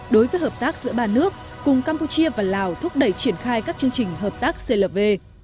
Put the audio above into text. đối với hợp tác giữa ba nước cùng campuchia và lào thúc đẩy triển khai các chương trình hợp tác clv